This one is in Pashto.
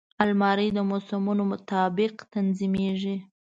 الماري د موسمونو مطابق تنظیمېږي